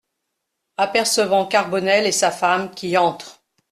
Apercevant Carbonel et sa femme qui entrent.